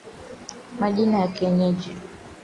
Majina ya kienyeji